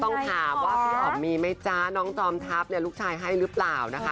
ต้องถามว่าพี่อ๋อมมีไหมจ๊ะน้องจอมทัพเนี่ยลูกชายให้หรือเปล่านะคะ